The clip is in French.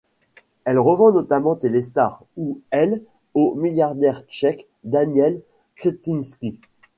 Il revend notamment Télé Star ou Elle au milliardaire tchèque Daniel Křetínský.